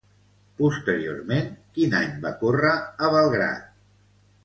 Posteriorment, quin any va córrer a Belgrad?